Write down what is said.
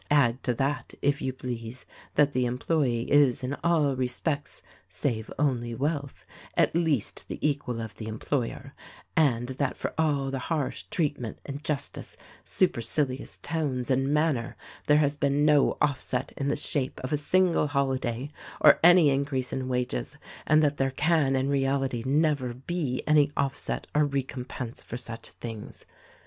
Add to that, if you please, that the employe is in all respects, save only wealth, at least the equal of the employer, and that for all the harsh treat THE RECORDING ANGEL 149 ment, injustice, supercilious tones and manner there has been no offset in the shape of a single holiday or any increase in wages — and that there can in reality never be any offset or recompense for such things.